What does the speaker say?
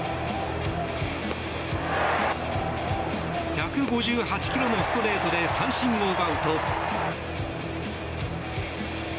１５８ｋｍのストレートで三振を奪うと。